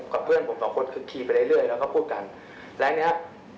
คืออย่างนี้เขาก็ปาดหน้าผม